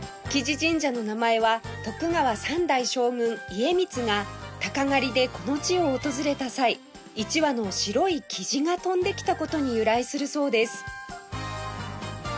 雉子神社の名前は徳川三代将軍家光が鷹狩りでこの地を訪れた際１羽の白いキジが飛んできた事に由来するそうです